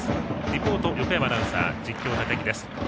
リポート、横山アナウンサー実況、高木です。